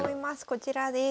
こちらです。